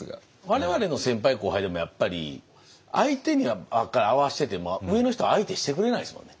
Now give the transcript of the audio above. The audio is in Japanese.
我々の先輩後輩でもやっぱり相手にばっかり合わせてても上の人は相手してくれないですもんね。